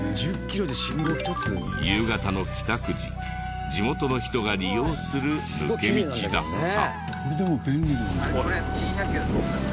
夕方の帰宅時地元の人が利用する抜け道だった。